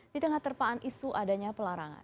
di tengah terpaan isu adanya pelarangan